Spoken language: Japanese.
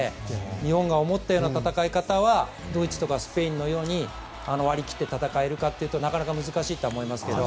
日本が思ったような戦い方はドイツとかスペインのように割り切って戦えるかはなかなか難しいと思いますけど。